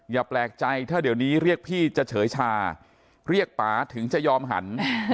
อย่าแปลกใจถ้าเดี๋ยวนี้เรียกพี่จะเฉยชาเรียกป่าถึงจะยอมหัน